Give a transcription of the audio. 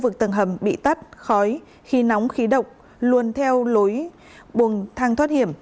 trong vực tầng hầm bị tắt khói khi nóng khi độc luôn theo lối buồng thang thoát hiểm